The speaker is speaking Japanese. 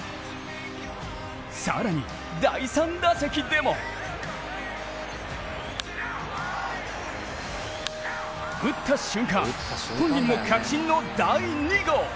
更に第３打席でも打った瞬間、本人も確信の第２号。